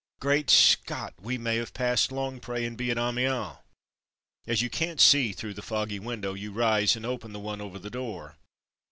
"Great Scott! We ma> have passed Longpre and be at Amiens!" As you can't see through the foggy window you rise and open the one over the door.